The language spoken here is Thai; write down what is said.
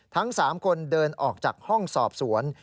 ทั้ง๓คนเดินออกจากห้องสอบสวน